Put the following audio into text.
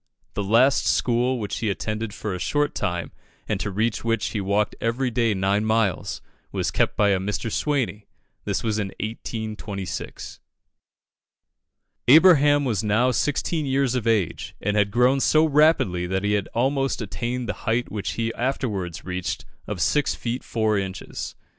The last school which he attended for a short time, and to reach which he walked every day nine miles, was kept by a Mr. Swaney. This was in 1826. Abraham was now sixteen years of age, and had grown so rapidly that he had almost attained the height which he afterwards reached of six feet four inches.